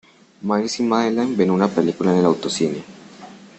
Miles y Madeline ven una película en el autocine.